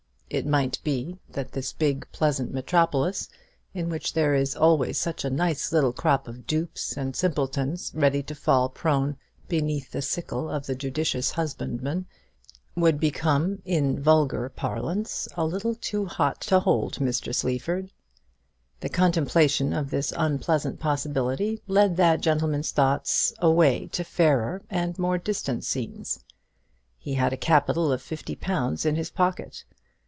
It might be that this big pleasant metropolis, in which there is always such a nice little crop of dupes and simpletons ready to fall prone beneath the sickle of the judicious husbandman, would become, in vulgar parlance, a little too hot to hold Mr. Sleaford. The contemplation of this unpleasant possibility led that gentleman's thoughts away to fairer and more distant scenes. He had a capital of fifty pounds in his pocket.